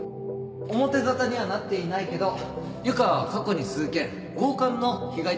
表沙汰にはなっていないけど湯川は過去に数件強姦の被害届が出されています